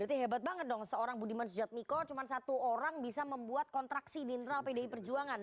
jadi hebat banget dong seorang budiman sujadmiko cuma satu orang bisa membuat kontraksi di internal pdi perjuangan